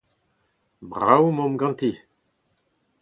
Brav emaomp ganti !